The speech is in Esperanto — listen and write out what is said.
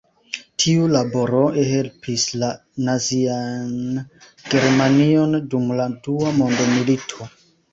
Tiu laboro helpis la nazian Germanion dum la dua mondmilito.